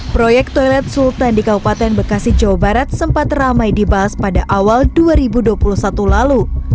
proyek toilet sultan di kabupaten bekasi jawa barat sempat ramai dibahas pada awal dua ribu dua puluh satu lalu